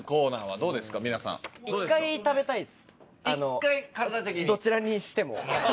どちらにしても。